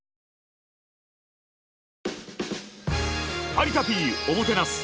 「有田Ｐおもてなす」。